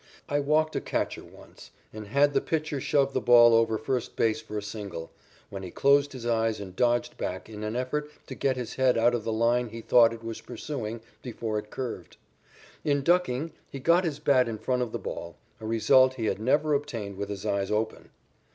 I walked a catcher once and had the pitcher shove the ball over first base for a single, when he closed his eyes and dodged back in an effort to get his head out of the line he thought it was pursuing before it curved. In ducking, he got his bat in front of the ball, a result he had never obtained with his eyes open.